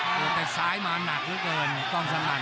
หยุดแต่ซ้ายมาหนักเยอะเกินต้องสลั่น